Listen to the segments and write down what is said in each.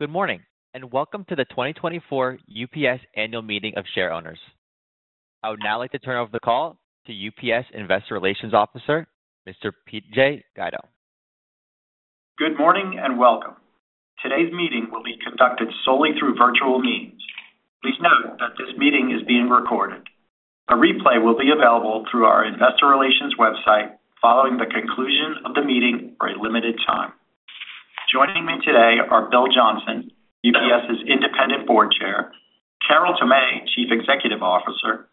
Good morning, and welcome to the 2024 UPS Annual Meeting of Shareowners. I would now like to turn over the call to UPS Investor Relations Officer, Mr. P.J. Guido. Good morning, and welcome. Today's meeting will be conducted solely through virtual means. Please note that this meeting is being recorded. A replay will be available through our investor relations website following the conclusion of the meeting for a limited time. Joining me today are Bill Johnson, UPS's Independent Board Chair, Carol Tomé, Chief Executive Officer,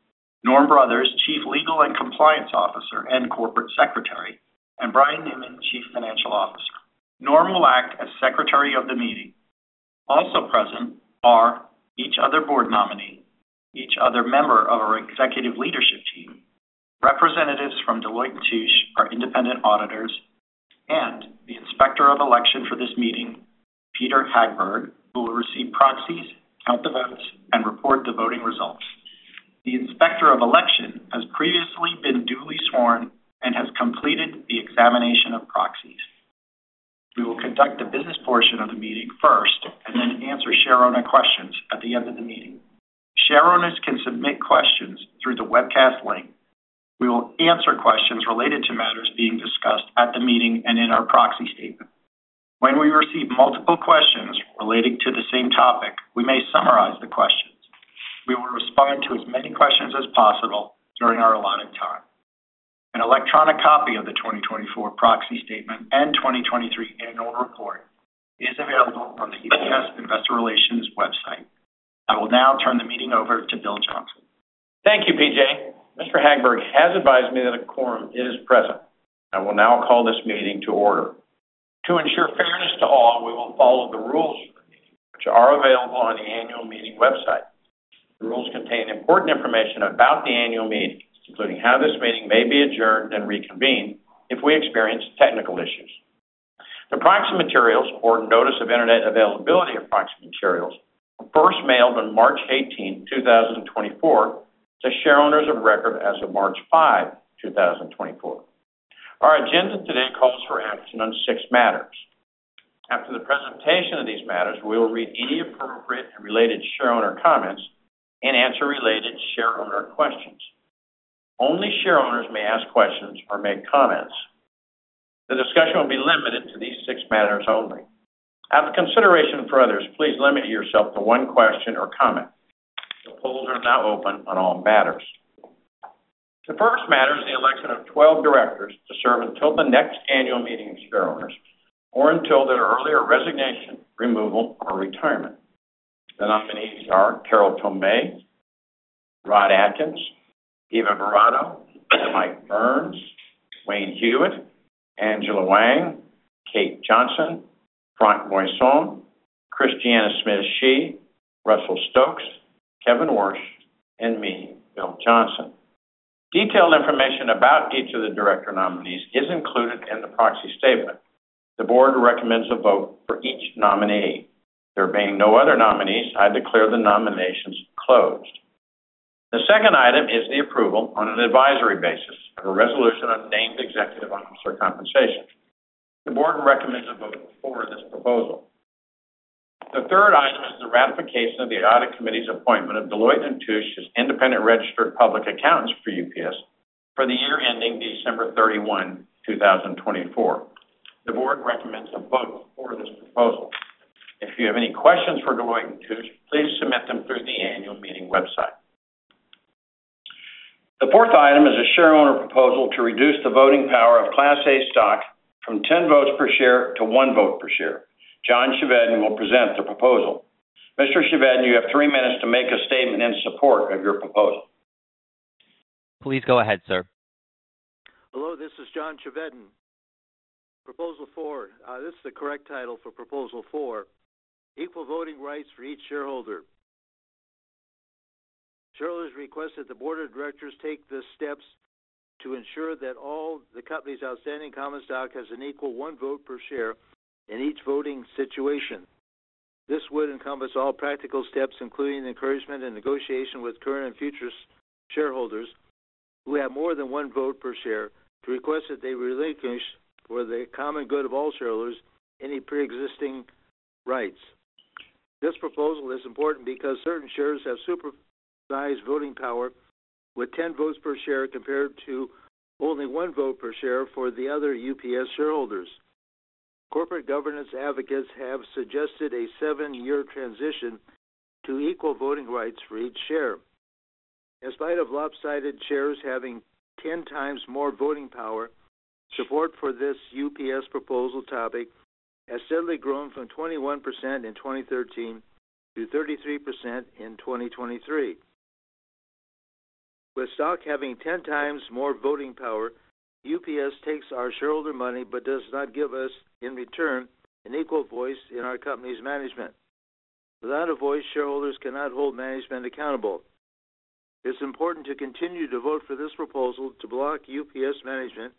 Norm Brothers, Chief Legal and Compliance Officer and Corporate Secretary, and Brian Newman, Chief Financial Officer. Norm will act as secretary of the meeting. Also present are each other board nominee, each other member of our executive leadership team, representatives from Deloitte & Touche, our independent auditors, and the Inspector of Election for this meeting, Peder Hagberg, who will receive proxies, count the votes, and report the voting results. The Inspector of Election has previously been duly sworn and has completed the examination of proxies. We will conduct the business portion of the meeting first, and then answer shareowner questions at the end of the meeting. Shareowners can submit questions through the webcast link. We will answer questions related to matters being discussed at the meeting and in our proxy statement. When we receive multiple questions relating to the same topic, we may summarize the questions. We will respond to as many questions as possible during our allotted time. An electronic copy of the 2024 proxy statement and 2023 annual report is available from the UPS Investor Relations website. I will now turn the meeting over to Bill Johnson. Thank you, P.J. Mr. Hagberg has advised me that a quorum is present. I will now call this meeting to order. To ensure fairness to all, we will follow the rules, which are available on the annual meeting website. The rules contain important information about the annual meeting, including how this meeting may be adjourned and reconvened if we experience technical issues. The proxy materials or notice of internet availability of proxy materials were first mailed on March 18, 2024, to shareowners of record as of March 5, 2024. Our agenda today calls for action on six matters. After the presentation of these matters, we will read any appropriate and related shareowner comments and answer related shareowner questions. Only shareowners may ask questions or make comments. The discussion will be limited to these six matters only. Out of consideration for others, please limit yourself to one question or comment. The polls are now open on all matters. The first matter is the election of 12 directors to serve until the next annual meeting of shareowners, or until their earlier resignation, removal, or retirement. The nominees are Carol Tomé, Rod Adkins, Eva Boratto, Mike Burns, Wayne Hewett, Angela Hwang, Kate Johnson, Franck Moison, Christiana Smith Shi, Russell Stokes, Kevin Warsh, and me, Bill Johnson. Detailed information about each of the director nominees is included in the proxy statement. The board recommends a vote for each nominee. There being no other nominees, I declare the nominations closed. The second item is the approval on an advisory basis of a resolution of named executive officer compensation. The board recommends a vote for this proposal. The third item is the ratification of the Audit Committee's appointment of Deloitte & Touche as independent registered public accountants for UPS for the year ending December 31, 2024. The board recommends a vote for this proposal. If you have any questions for Deloitte & Touche, please submit them through the annual meeting website. The fourth item is a shareowner proposal to reduce the voting power of Class A stock from 10 votes per share to one vote per share. John Chevedden will present the proposal. Mr. Chevedden, you have three minutes to make a statement in support of your proposal. Please go ahead, sir. Hello, this is John Chevedden. Proposal four, this is the correct title for proposal four: Equal voting rights for each shareholder. Shareholders request that the board of directors take the steps to ensure that all the company's outstanding common stock has an equal one vote per share in each voting situation. This would encompass all practical steps, including the encouragement and negotiation with current and future shareholders who have more than one vote per share, to request that they relinquish, for the common good of all shareholders, any pre-existing rights. This proposal is important because certain shares have super-sized voting power, with 10 votes per share compared to only one vote per share for the other UPS shareholders. Corporate governance advocates have suggested a seven-year transition to equal voting rights for each share. In spite of lopsided shares having 10 times more voting power, support for this UPS proposal topic has steadily grown from 21% in 2013 to 33% in 2023. With stock having 10 times more voting power, UPS takes our shareholder money but does not give us, in return, an equal voice in our company's management. Without a voice, shareholders cannot hold management accountable. It's important to continue to vote for this proposal to block UPS management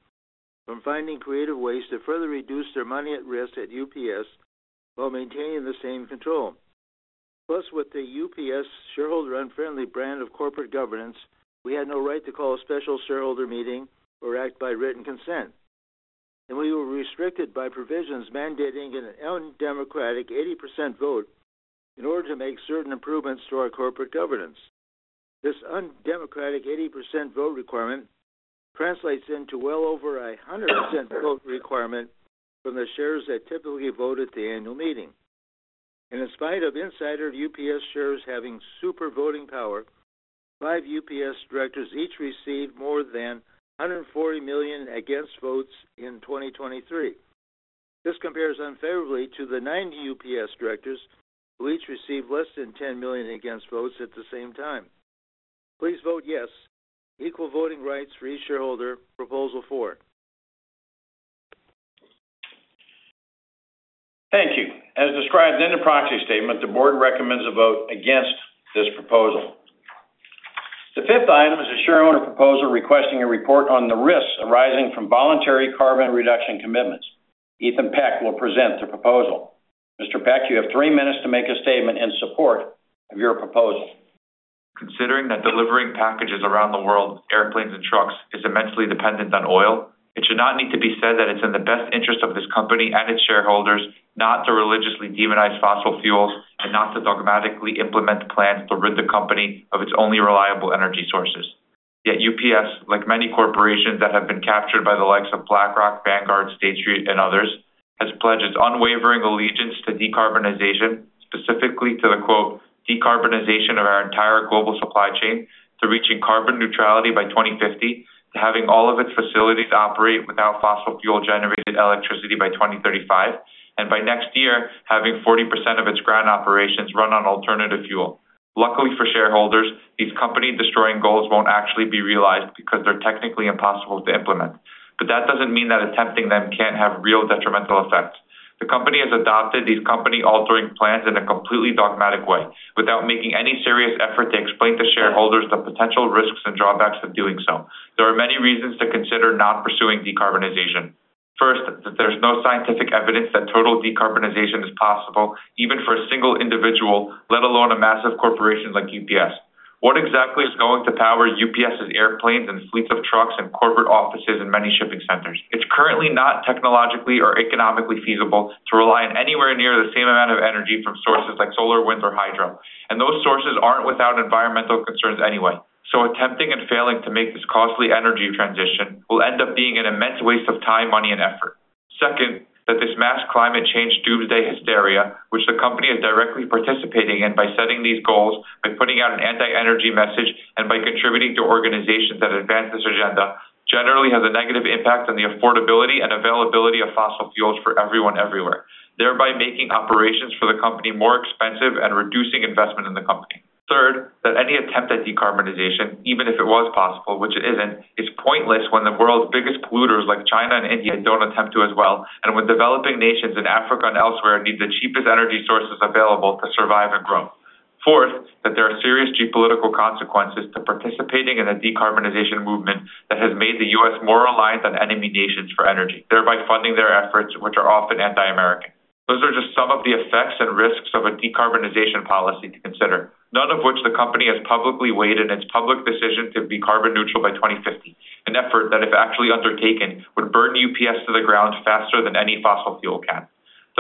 from finding creative ways to further reduce their money at risk at UPS while maintaining the same control. Plus, with the UPS shareholder-unfriendly brand of corporate governance, we had no right to call a special shareholder meeting or act by written consent, and we were restricted by provisions mandating an undemocratic 80% vote in order to make certain improvements to our corporate governance. This undemocratic 80% vote requirement translates into well over a 100% vote requirement from the shares that typically vote at the annual meeting. In spite of insider UPS shares having super voting power, five UPS directors each received more than 140 million against votes in 2023. This compares unfavorably to the 90 UPS directors, who each received less than 10 million against votes at the same time. Please vote yes. Equal voting rights for each shareholder, Proposal Four. Thank you. As described in the proxy statement, the Board recommends a vote against this proposal. The fifth item is a shareholder proposal requesting a report on the risks arising from voluntary carbon reduction commitments. Ethan Peck will present the proposal. Mr. Peck, you have three minutes to make a statement in support of your proposal. Considering that delivering packages around the world, airplanes and trucks, is immensely dependent on oil, it should not need to be said that it's in the best interest of this company and its shareholders, not to religiously demonize fossil fuels and not to dogmatically implement plans to rid the company of its only reliable energy sources. Yet UPS, like many corporations that have been captured by the likes of BlackRock, Vanguard, State Street, and others, has pledged its unwavering allegiance to decarbonization, specifically to the, quote, "Decarbonization of our entire global supply chain, to reaching carbon neutrality by 2050, to having all of its facilities operate without fossil fuel-generated electricity by 2035, and by next year, having 40% of its ground operations run on alternative fuel." Luckily for shareholders, these company-destroying goals won't actually be realized because they're technically impossible to implement. But that doesn't mean that attempting them can't have real detrimental effects. The company has adopted these company-altering plans in a completely dogmatic way, without making any serious effort to explain to shareholders the potential risks and drawbacks of doing so. There are many reasons to consider not pursuing decarbonization. First, that there's no scientific evidence that total decarbonization is possible, even for a single individual, let alone a massive corporation like UPS. What exactly is going to power UPS's airplanes and fleets of trucks and corporate offices and many shipping centers? It's currently not technologically or economically feasible to rely on anywhere near the same amount of energy from sources like solar, wind, or hydro, and those sources aren't without environmental concerns anyway. So attempting and failing to make this costly energy transition will end up being an immense waste of time, money, and effort. Second, that this mass climate change doomsday hysteria, which the company is directly participating in by setting these goals, by putting out an anti-energy message, and by contributing to organizations that advance this agenda, generally has a negative impact on the affordability and availability of fossil fuels for everyone, everywhere, thereby making operations for the company more expensive and reducing investment in the company. Third, that any attempt at decarbonization, even if it was possible, which it isn't, is pointless when the world's biggest polluters, like China and India, don't attempt to as well, and when developing nations in Africa and elsewhere need the cheapest energy sources available to survive and grow. Fourth, that there are serious geopolitical consequences to participating in a decarbonization movement that has made the U.S. more reliant on enemy nations for energy, thereby funding their efforts, which are often anti-American. Those are just some of the effects and risks of a decarbonization policy to consider, none of which the company has publicly weighed in its public decision to be carbon neutral by 2050, an effort that, if actually undertaken, would burn UPS to the ground faster than any fossil fuel can.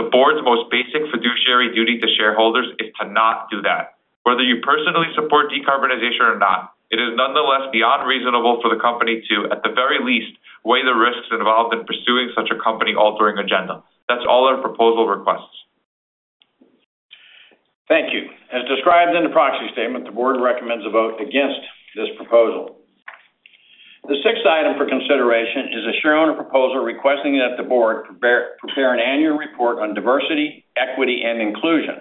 The board's most basic fiduciary duty to shareholders is to not do that. Whether you personally support decarbonization or not, it is nonetheless beyond reasonable for the company to, at the very least, weigh the risks involved in pursuing such a company-altering agenda. That's all our proposal requests. Thank you. As described in the proxy statement, the Board recommends a vote against this proposal. The sixth item for consideration is a shareholder proposal requesting that the Board prepare an annual report on diversity, equity, and inclusion.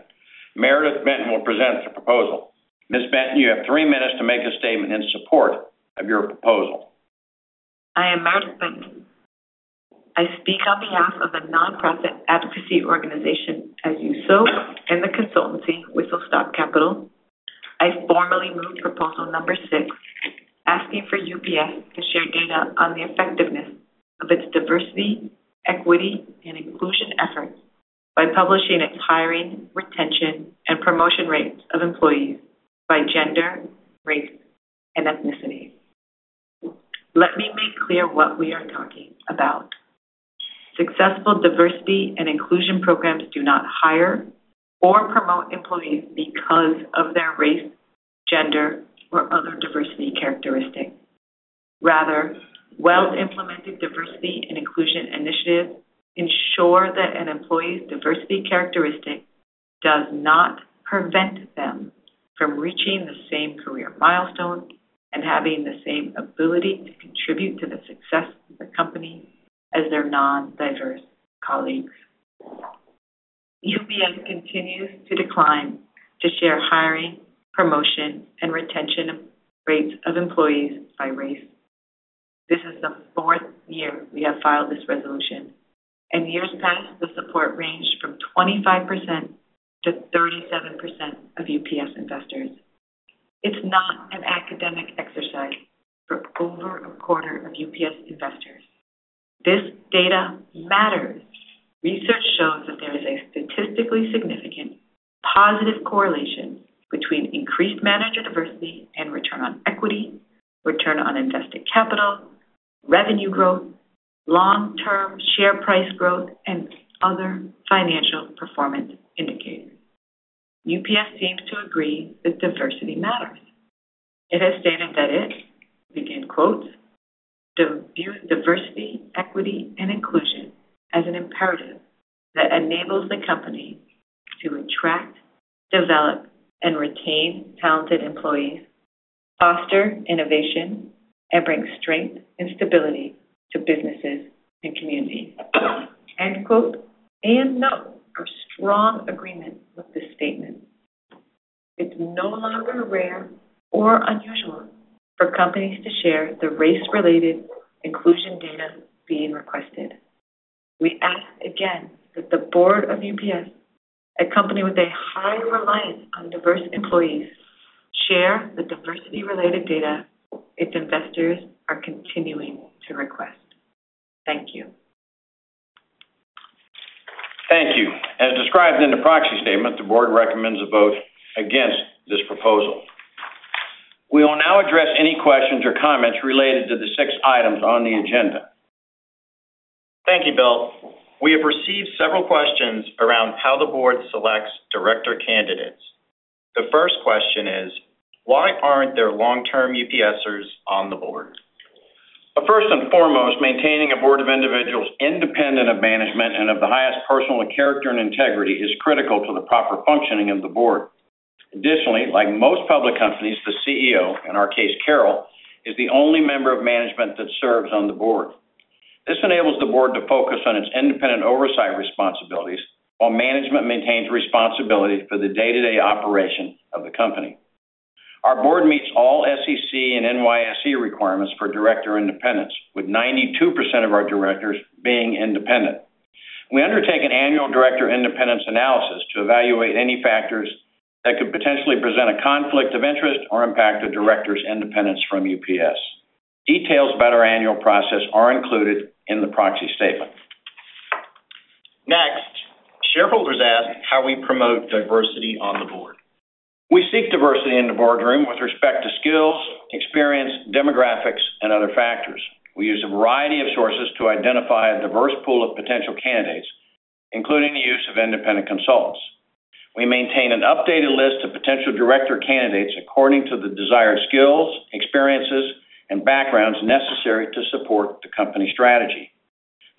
Meredith Benton will present the proposal. Ms. Benton, you have three minutes to make a statement in support of your proposal. I am Meredith Benton. I speak on behalf of the nonprofit advocacy organization, As You Sow, and the consultancy, Whistle Stop Capital. I formally move proposal number six, asking for UPS to share data on the effectiveness of its diversity, equity, and inclusion efforts by publishing its hiring, retention, and promotion rates of employees by gender, race, and ethnicity. Let me make clear what we are talking about. Successful diversity and inclusion programs do not hire or promote employees because of their race, gender, or other diversity characteristics. Rather, well-implemented diversity and inclusion initiatives ensure that an employee's diversity characteristic does not prevent them from reaching the same career milestones and having the same ability to contribute to the success of the company as their non-diverse colleagues. UPS continues to decline to share hiring, promotion, and retention rates of employees by race. This is the fourth year we have filed this resolution. In years past, the support ranged from 25%-37% of UPS investors. This data matters. Research shows that there is a statistically significant positive correlation between increased manager diversity and return on equity, return on invested capital, revenue growth, long-term share price growth, and other financial performance indicators. UPS seems to agree that diversity matters. It has stated that it "views diversity, equity, and inclusion as an imperative that enables the company to attract, develop, and retain talented employees, foster innovation, and bring strength and stability to businesses and communities." And note our strong agreement with this statement. It's no longer rare or unusual for companies to share the race-related inclusion data being requested. We ask again that the board of UPS, a company with a high reliance on diverse employees, share the diversity-related data its investors are continuing to request. Thank you. Thank you. As described in the proxy statement, the board recommends a vote against this proposal. We will now address any questions or comments related to the six items on the agenda. Thank you, Bill. We have received several questions around how the board selects director candidates. The first question is: Why aren't there long-term UPSers on the board? First and foremost, maintaining a board of individuals independent of management and of the highest personal and character and integrity is critical to the proper functioning of the board. Additionally, like most public companies, the CEO, in our case, Carol, is the only member of management that serves on the board. This enables the board to focus on its independent oversight responsibilities, while management maintains responsibility for the day-to-day operation of the company. Our board meets all SEC and NYSE requirements for director independence, with 92% of our directors being independent. We undertake an annual director independence analysis to evaluate any factors that could potentially present a conflict of interest or impact the director's independence from UPS. Details about our annual process are included in the proxy statement. Next, shareholders ask how we promote diversity on the board. We seek diversity in the boardroom with respect to skills, experience, demographics, and other factors. We use a variety of sources to identify a diverse pool of potential candidates, including the use of independent consultants. We maintain an updated list of potential director candidates according to the desired skills, experiences, and backgrounds necessary to support the company's strategy.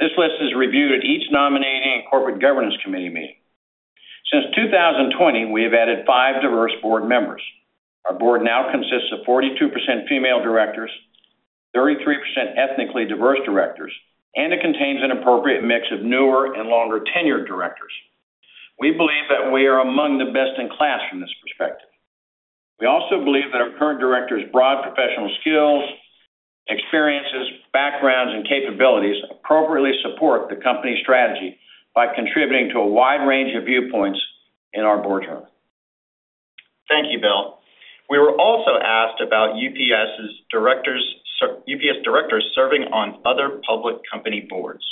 This list is reviewed at each Nominating and Corporate Governance Committee meeting. Since 2020, we have added five diverse board members. Our board now consists of 42% female directors, 33% ethnically diverse directors, and it contains an appropriate mix of newer and longer-tenured directors. We believe that we are among the best in class from this perspective. We also believe that our current directors' broad professional skills, experiences, backgrounds, and capabilities appropriately support the company's strategy by contributing to a wide range of viewpoints in our boardroom. Thank you, Bill. We were also asked about UPS's directors, UPS directors serving on other public company boards.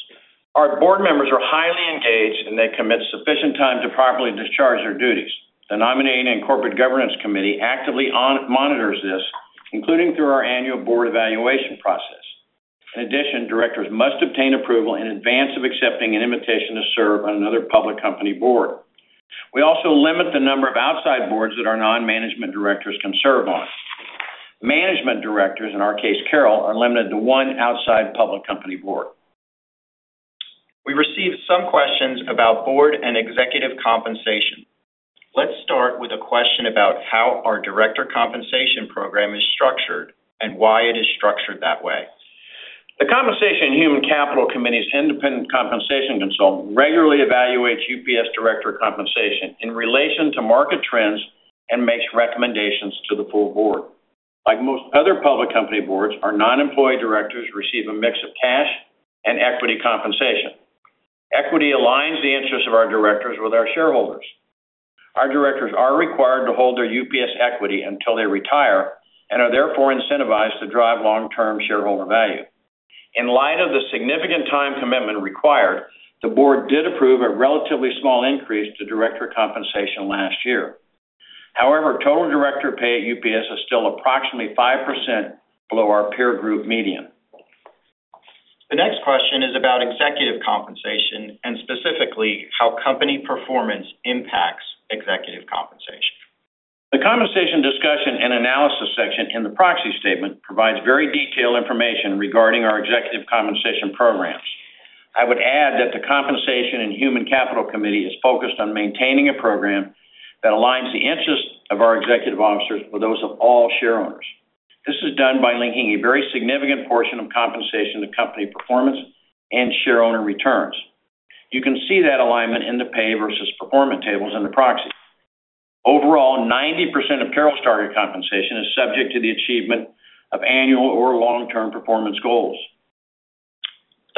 Our board members are highly engaged, and they commit sufficient time to properly discharge their duties. The Nominating and Corporate Governance Committee actively monitors this, including through our annual board evaluation process. In addition, directors must obtain approval in advance of accepting an invitation to serve on another public company board. We also limit the number of outside boards that our non-management directors can serve on. Management directors, in our case, Carol, are limited to one outside public company board. We received some questions about board and executive compensation. Let's start with a question about how our director compensation program is structured and why it is structured that way. The Compensation and Human Capital Committee's independent compensation consultant regularly evaluates UPS director compensation in relation to market trends and makes recommendations to the full board. Like most other public company boards, our non-employee directors receive a mix of cash and equity compensation. Equity aligns the interests of our directors with our shareholders. Our directors are required to hold their UPS equity until they retire, and are therefore incentivized to drive long-term shareholder value. In light of the significant time commitment required, the board did approve a relatively small increase to director compensation last year. However, total director pay at UPS is still approximately 5% below our peer group median. The next question is about executive compensation, and specifically, how company performance impacts executive compensation. The compensation discussion and analysis section in the proxy statement provides very detailed information regarding our executive compensation programs. I would add that the Compensation and Human Capital Committee is focused on maintaining a program that aligns the interests of our executive officers with those of all shareowners. This is done by linking a very significant portion of compensation to company performance and shareowner returns. You can see that alignment in the pay versus performance tables in the proxy. Overall, 90% of Carol's target compensation is subject to the achievement of annual or long-term performance goals.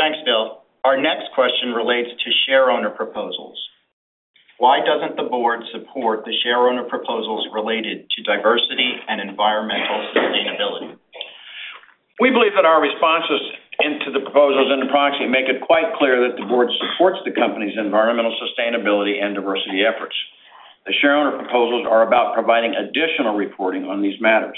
Thanks, Bill. Our next question relates to shareowner proposals. Why doesn't the board support the shareowner proposals related to diversity and environmental sustainability? We believe that our responses to the proposals in the proxy make it quite clear that the board supports the company's environmental sustainability and diversity efforts. The shareholder proposals are about providing additional reporting on these matters.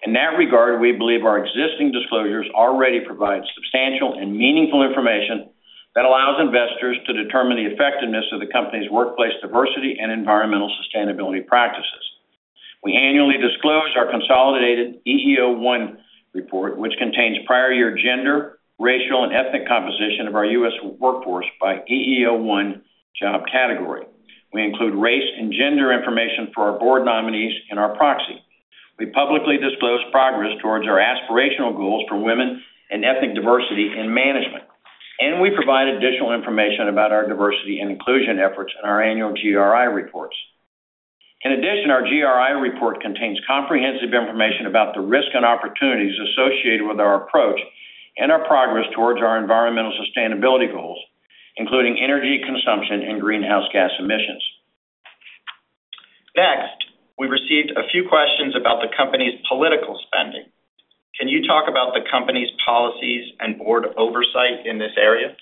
In that regard, we believe our existing disclosures already provide substantial and meaningful information that allows investors to determine the effectiveness of the company's workplace diversity and environmental sustainability practices. We annually disclose our consolidated EEO-1 report, which contains prior year gender, racial, and ethnic composition of our US workforce by EEO-1 job category. We include race and gender information for our board nominees in our proxy. We publicly disclose progress towards our aspirational goals for women and ethnic diversity in management, and we provide additional information about our diversity and inclusion efforts in our annual GRI reports. In addition, our GRI report contains comprehensive information about the risk and opportunities associated with our approach and our progress towards our environmental sustainability goals, including energy consumption and greenhouse gas emissions. Next, we received a few questions about the company's political spending. Can you talk about the company's policies and board oversight in this area?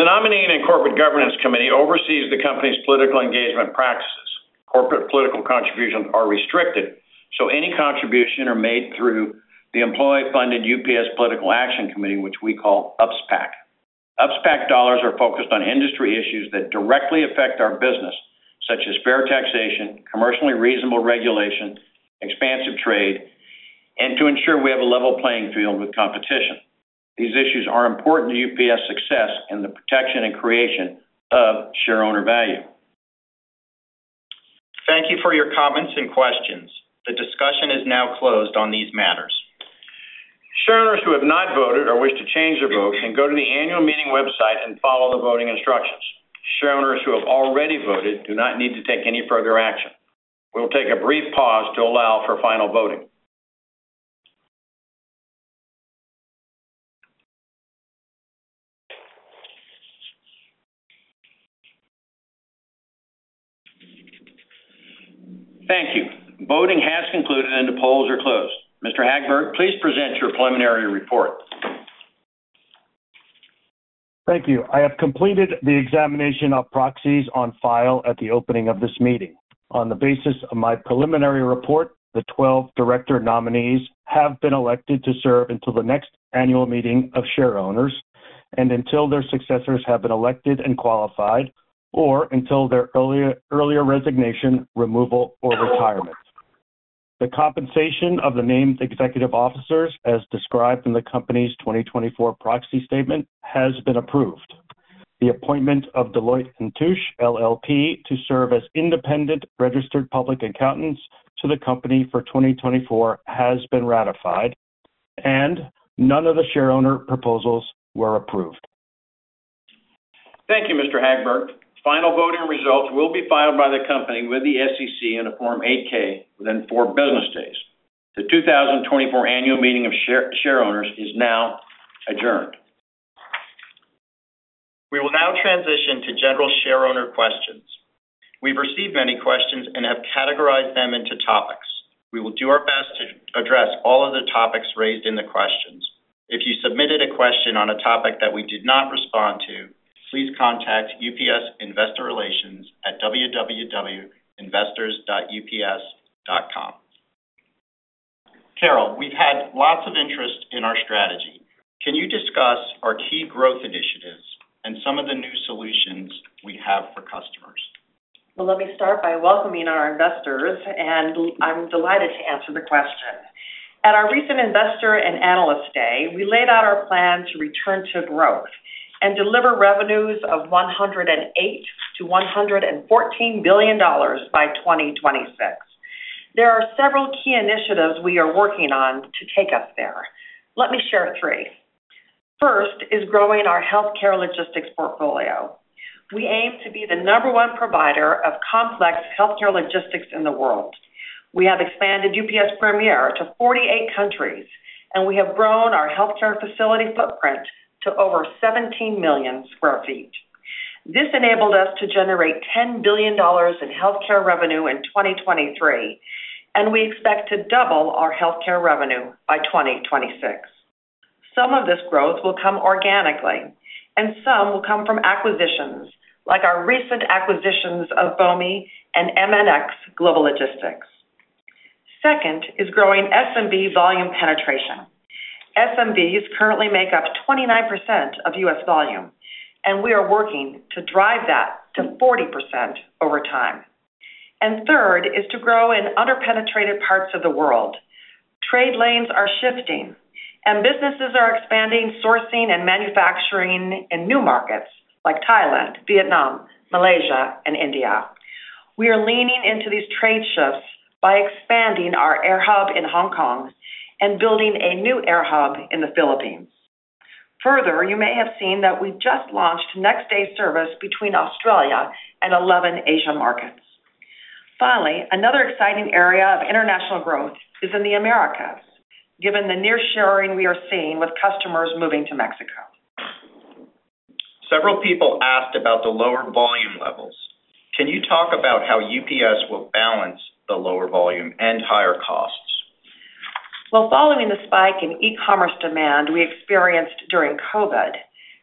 The Nominating and Corporate Governance Committee oversees the company's political engagement practices. Corporate political contributions are restricted, so any contribution are made through the employee-funded UPS Political Action Committee, which we call UPSPAC. UPSPAC dollars are focused on industry issues that directly affect our business, such as fair taxation, commercially reasonable regulation, expansive trade, and to ensure we have a level playing field with competition. These issues are important to UPS success and the protection and creation of shareowner value. Thank you for your comments and questions. The discussion is now closed on these matters. Shareowners who have not voted or wish to change their vote can go to the annual meeting website and follow the voting instructions. Shareowners who have already voted do not need to take any further action. We will take a brief pause to allow for final voting. Thank you. Voting has concluded, and the polls are closed. Mr. Hagberg, please present your preliminary report. Thank you. I have completed the examination of proxies on file at the opening of this meeting. On the basis of my preliminary report, the 12 director nominees have been elected to serve until the next annual meeting of shareowners, and until their successors have been elected and qualified, or until their earlier resignation, removal, or retirement. The compensation of the named executive officers, as described in the company's 2024 proxy statement, has been approved. The appointment of Deloitte & Touche, LLP, to serve as independent registered public accountants to the company for 2024 has been ratified, and none of the shareowner proposals were approved. Thank you, Mr. Hagberg. Final voting results will be filed by the company with the SEC in a Form 8-K within four business days. The 2024 annual meeting of shareowners is now adjourned. We will now transition to general shareowner questions. We've received many questions and have categorized them into topics. We will do our best to address all of the topics raised in the questions. If you submitted a question on a topic that we did not respond to, please contact UPS Investor Relations at www.investors.ups.com. Carol, we've had lots of interest in our strategy. Can you discuss our key growth initiatives and some of the new solutions we have for customers? Well, let me start by welcoming our investors, and I'm delighted to answer the question. At our recent Investor and Analyst Day, we laid out our plan to return to growth and deliver revenues of $108 billion-$114 billion by 2026. There are several key initiatives we are working on to take us there. Let me share three. First is growing our healthcare logistics portfolio. We aim to be the number one provider of complex healthcare logistics in the world. We have expanded UPS Premier to 48 countries, and we have grown our healthcare facility footprint to over 17 million sq ft. This enabled us to generate $10 billion in healthcare revenue in 2023, and we expect to double our healthcare revenue by 2026. Some of this growth will come organically, and some will come from acquisitions, like our recent acquisitions of Bomi and MNX Global Logistics. Second is growing SMB volume penetration. SMBs currently make up 29% of US volume, and we are working to drive that to 40% over time. And third is to grow in under-penetrated parts of the world. Trade lanes are shifting, and businesses are expanding, sourcing, and manufacturing in new markets like Thailand, Vietnam, Malaysia, and India. We are leaning into these trade shifts by expanding our air hub in Hong Kong and building a new air hub in the Philippines. Further, you may have seen that we just launched next-day service between Australia and 11 Asian markets. Finally, another exciting area of international growth is in the Americas, given the nearshoring we are seeing with customers moving to Mexico. Several people asked about the lower volume levels. Can you talk about how UPS will balance the lower volume and higher costs? Well, following the spike in e-commerce demand we experienced during COVID,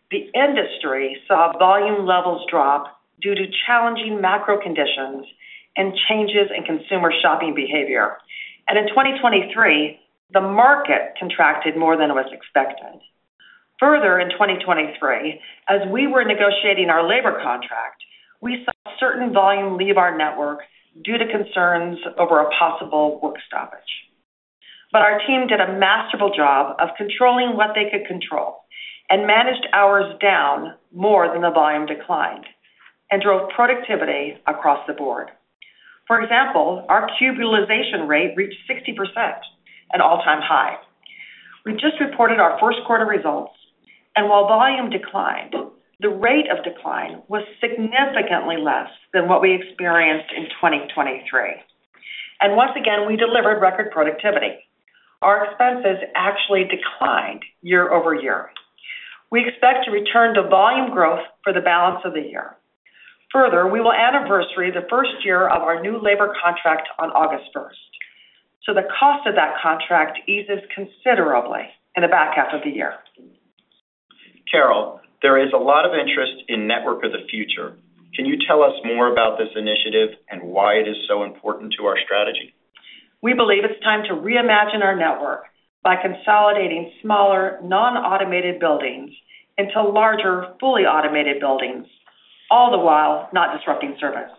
the industry saw volume levels drop due to challenging macro conditions and changes in consumer shopping behavior. In 2023, the market contracted more than was expected. Further, in 2023, as we were negotiating our labor contract, we saw certain volume leave our network due to concerns over a possible work stoppage. Our team did a masterful job of controlling what they could control and managed hours down more than the volume declined and drove productivity across the board. For example, our cube utilization rate reached 60%, an all-time high. We just reported our first quarter results, and while volume declined, the rate of decline was significantly less than what we experienced in 2023. Once again, we delivered record productivity. Our expenses actually declined year-over-year. We expect to return to volume growth for the balance of the year. Further, we will anniversary the first year of our new labor contract on August first, so the cost of that contract eases considerably in the back half of the year. Carol, there is a lot of interest in Network of the Future. Can you tell us more about this initiative and why it is so important to our strategy? We believe it's time to reimagine our network by consolidating smaller, non-automated buildings into larger, fully automated buildings, all the while not disrupting service.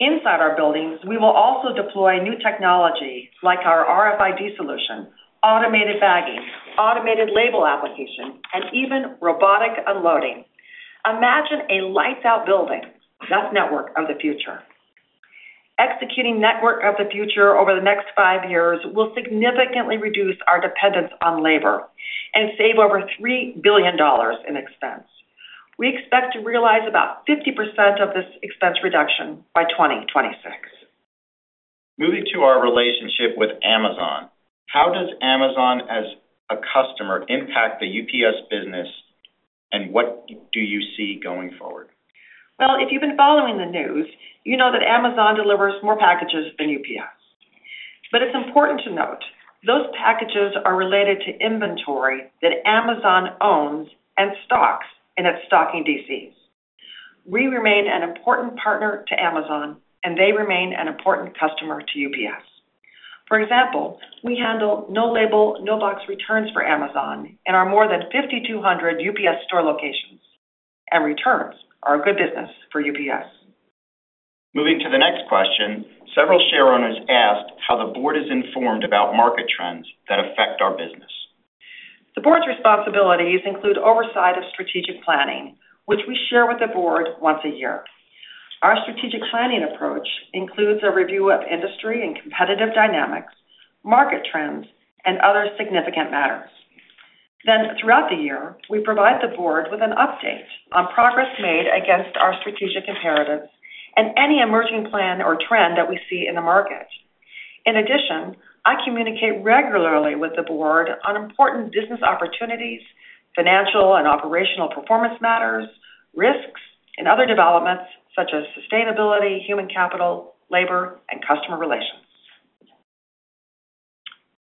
Inside our buildings, we will also deploy new technology like our RFID solution, automated bagging, automated label application, and even robotic unloading. Imagine a lights-out building. That's Network of the Future. Executing Network of the Future over the next five years will significantly reduce our dependence on labor and save over $3 billion in expense. We expect to realize about 50% of this expense reduction by 2026. Moving to our relationship with Amazon, how does Amazon, as a customer, impact the UPS business, and what do you see going forward? Well, if you've been following the news, you know that Amazon delivers more packages than UPS. But it's important to note, those packages are related to inventory that Amazon owns and stocks in its stocking DCs. We remain an important partner to Amazon, and they remain an important customer to UPS. For example, we handle no label, no box returns for Amazon in our more than 5,200 UPS Store locations, and returns are a good business for UPS. Moving to the next question, several shareowners asked how the board is informed about market trends that affect our business. The board's responsibilities include oversight of strategic planning, which we share with the board once a year. Our strategic planning approach includes a review of industry and competitive dynamics, market trends, and other significant matters. Then, throughout the year, we provide the board with an update on progress made against our strategic imperatives and any emerging plan or trend that we see in the market. In addition, I communicate regularly with the board on important business opportunities, financial and operational performance matters, risks, and other developments such as sustainability, human capital, labor, and customer relations.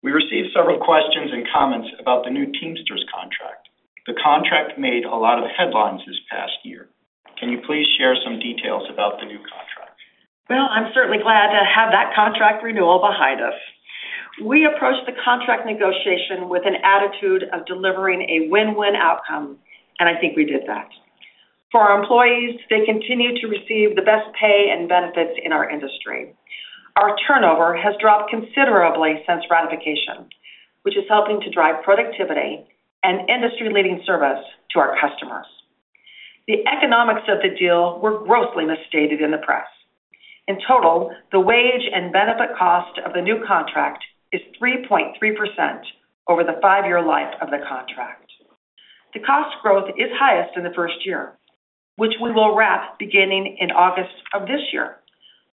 We received several questions and comments about the new Teamsters contract. The contract made a lot of headlines this past year. Can you please share some details about the new contract? Well, I'm certainly glad to have that contract renewal behind us. We approached the contract negotiation with an attitude of delivering a win-win outcome, and I think we did that. For our employees, they continue to receive the best pay and benefits in our industry. Our turnover has dropped considerably since ratification, which is helping to drive productivity and industry-leading service to our customers. The economics of the deal were grossly misstated in the press. In total, the wage and benefit cost of the new contract is 3.3% over the five-year life of the contract. The cost growth is highest in the first year, which we will wrap beginning in August of this year,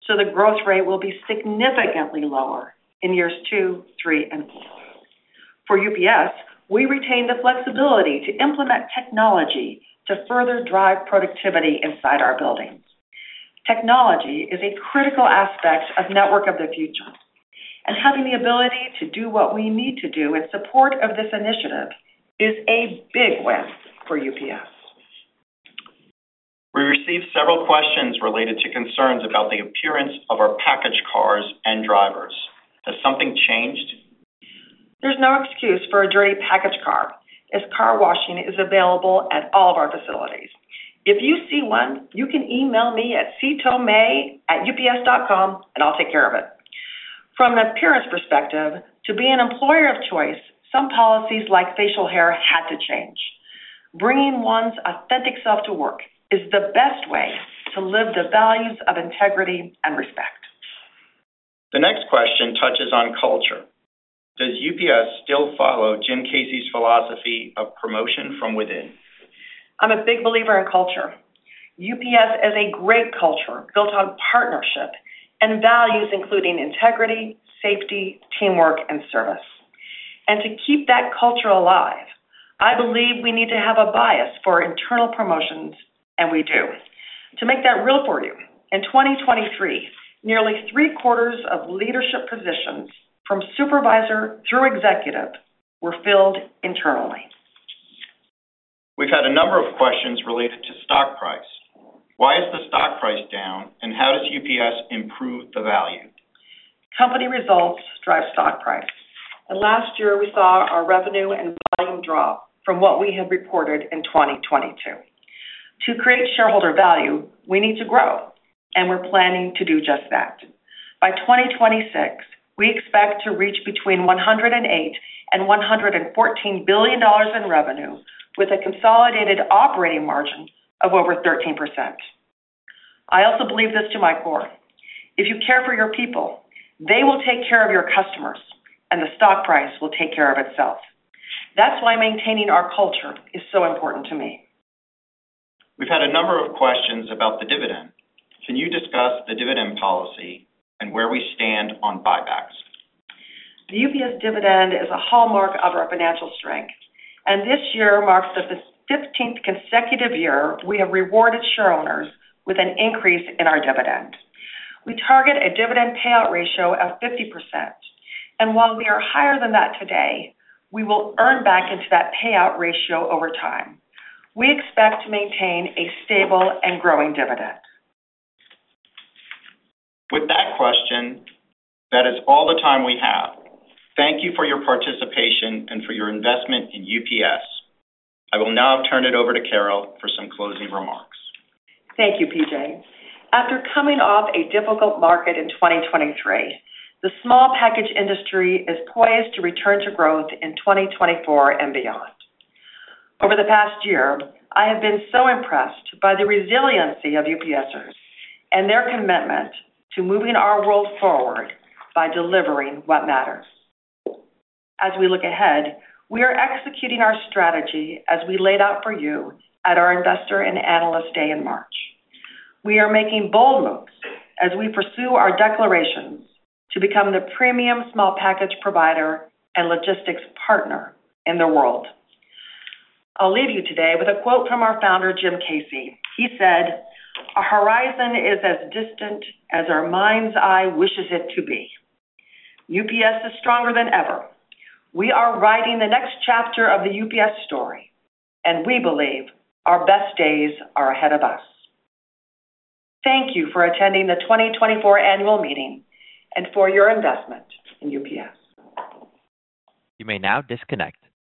so the growth rate will be significantly lower in years two, three, and four. For UPS, we retain the flexibility to implement technology to further drive productivity inside our buildings. Technology is a critical aspect of Network of the Future, and having the ability to do what we need to do in support of this initiative is a big win for UPS. We received several questions related to concerns about the appearance of our package cars and drivers. Has something changed? There's no excuse for a dirty package car, as car washing is available at all of our facilities. If you see one, you can email me at ctome@ups.com, and I'll take care of it. From an appearance perspective, to be an employer of choice, some policies like facial hair had to change. Bringing one's authentic self to work is the best way to live the values of integrity and respect.... The next question touches on culture. Does UPS still follow Jim Casey's philosophy of promotion from within? I'm a big believer in culture. UPS is a great culture built on partnership and values, including integrity, safety, teamwork, and service. To keep that culture alive, I believe we need to have a bias for internal promotions, and we do. To make that real for you, in 2023, nearly three-quarters of leadership positions, from supervisor through executive, were filled internally. We've had a number of questions related to stock price. Why is the stock price down, and how does UPS improve the value? Company results drive stock price, and last year we saw our revenue and volume drop from what we had reported in 2022. To create shareholder value, we need to grow, and we're planning to do just that. By 2026, we expect to reach between $108 billion and $114 billion in revenue, with a consolidated operating margin of over 13%. I also believe this to my core: If you care for your people, they will take care of your customers, and the stock price will take care of itself. That's why maintaining our culture is so important to me. We've had a number of questions about the dividend. Can you discuss the dividend policy and where we stand on buybacks? The UPS dividend is a hallmark of our financial strength, and this year marks the fifteenth consecutive year we have rewarded shareowners with an increase in our dividend. We target a dividend payout ratio of 50%, and while we are higher than that today, we will earn back into that payout ratio over time. We expect to maintain a stable and growing dividend. With that question, that is all the time we have. Thank you for your participation and for your investment in UPS. I will now turn it over to Carol for some closing remarks. Thank you, P.J. After coming off a difficult market in 2023, the small package industry is poised to return to growth in 2024 and beyond. Over the past year, I have been so impressed by the resiliency of UPSers and their commitment to moving our world forward by delivering what matters. As we look ahead, we are executing our strategy as we laid out for you at our Investor and Analyst Day in March. We are making bold moves as we pursue our declarations to become the premium small package provider and logistics partner in the world. I'll leave you today with a quote from our founder, Jim Casey. He said, "Our horizon is as distant as our mind's eye wishes it to be." UPS is stronger than ever. We are writing the next chapter of the UPS story, and we believe our best days are ahead of us. Thank you for attending the 2024 annual meeting and for your investment in UPS. You may now disconnect.